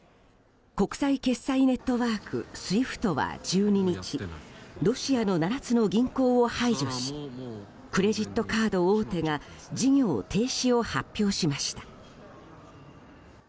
国際決済ネットワーク・ＳＷＩＦＴは１２日ロシアの７つの銀行を排除しクレジットカード大手が事業停止を発表しました。